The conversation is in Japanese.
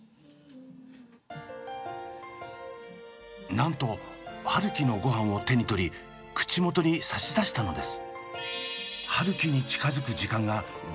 なんと春輝のごはんを手に取り口元に差し出したのです。